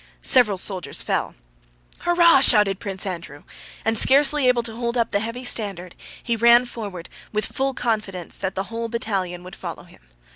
Several soldiers fell. "Hurrah!" shouted Prince Andrew, and, scarcely able to hold up the heavy standard, he ran forward with full confidence that the whole battalion would follow him.